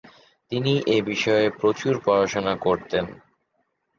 তিনি এ বিষয়ে প্রচুর পড়াশোনা করতেন।